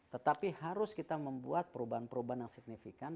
tetapi harus kita membuat perubahan perubahan yang signifikan